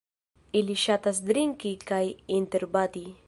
Ili ŝatas drinki kaj interbati.